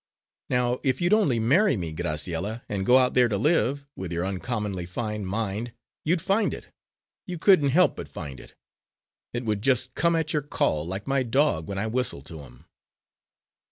Now, if you'd only marry me, Graciella, and go out there to live, with your uncommonly fine mind, you'd find it you couldn't help but find it. It would just come at your call, like my dog when I whistle to him."